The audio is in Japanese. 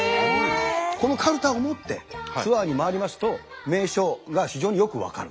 このかるたを持ってツアーに回りますと名所が非常によく分かる。